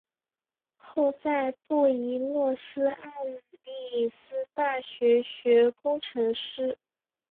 后在布宜诺斯艾利斯大学学工程师。